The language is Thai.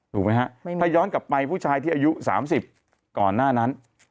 ถูกไหมฮะถ้าย้อนกลับไปผู้ชายที่อายุ๓๐ก่อนหน้านั้น